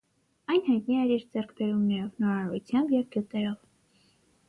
Այն հայտնի էր իր ձեռքբերումներով, նորարարությամբ և գյուտերով։